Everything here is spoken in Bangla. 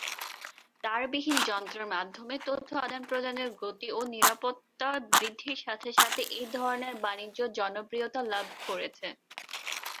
তারবিহীন যন্ত্রের মাধ্যমে তথ্য আদান-প্রদানের গতি ও নিরাপত্তা বৃদ্ধির সাথে সাথে এই ধরনের বাণিজ্য জনপ্রিয়তা লাভ করছে।